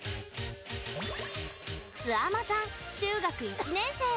すあまさん、中学１年生。